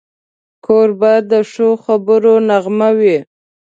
کوربه د ښو خبرو نغمه وي.